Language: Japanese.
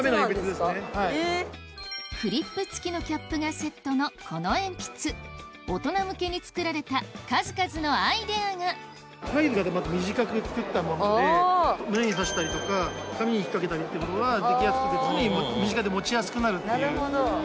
クリップ付きのキャップがセットのこの鉛筆大人向けに作られた数々のアイデアがサイズがねまた短く作ったもので胸に差したりとか紙に引っかけたりってことができやすくて常に身近で持ちやすくなるっていう。